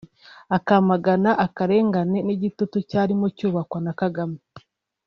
akamagana akarengane n’igitugu cyarimo cyubakwa na Kagame